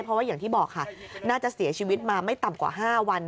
เพราะว่าอย่างที่บอกค่ะน่าจะเสียชีวิตมาไม่ต่ำกว่า๕วัน